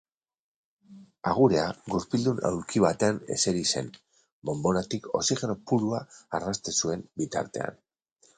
Agurea gurpildun aulki batean eseri zen, bonbonatik oxigeno purua arnasten zuen bitartean.